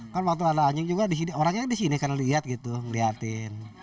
kan waktu ada anjing juga orangnya disini karena lihat gitu ngeliatin